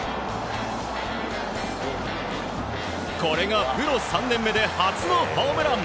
これがプロ３年目で初のホームラン。